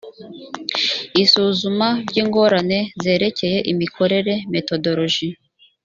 isuzuma ry ingorane zerekeye imikorere methodology